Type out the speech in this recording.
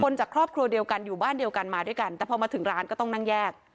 จากครอบครัวเดียวกันอยู่บ้านเดียวกันมาด้วยกันแต่พอมาถึงร้านก็ต้องนั่งแยก